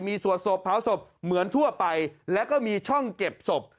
มีสวดศพเผาศพเหมือนทั่วไปแล้วก็มีช่องเก็บศพ